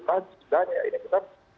pancu sebenarnya kita